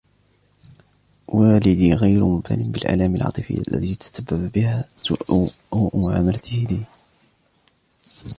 والدي غير مبالٍ بالآلام العاطفية التي تسبب بها سوء معاملته لي.